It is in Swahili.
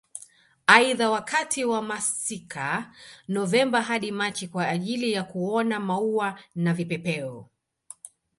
Aidha wakati wa masika Novemba hadi Machi kwa ajili ya kuona maua na vipepeo